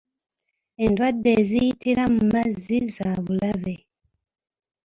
Endwadde eziyitira mu mazzi za bulabe.